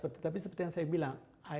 betul tapi seperti yang saya bilang